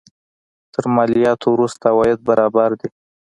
تر مالیاتو وروسته عواید برابر دي.